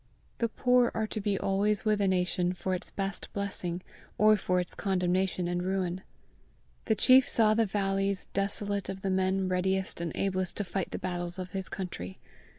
The poor are to be always with a nation for its best blessing, or for its condemnation and ruin. The chief saw the valleys desolate of the men readiest and ablest to fight the battles of his country.